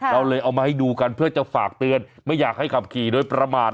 เราเลยเอามาให้ดูกันเพื่อจะฝากเตือนไม่อยากให้ขับขี่โดยประมาท